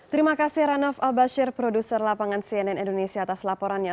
terima kasih ranof albasir produser lapangan cnn indonesia atas laporannya